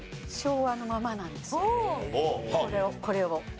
これを。